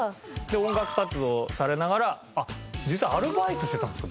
音楽活動をされながら実際にアルバイトしてたんですか？